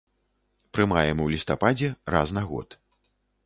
Прымаем у лістападзе, раз на год.